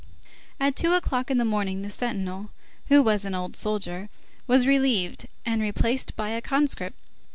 At two o'clock in the morning, the sentinel, who was an old soldier, was relieved, and replaced by a conscript.